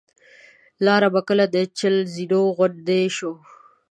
لاره به کله د چهل زینو غوندې شوه.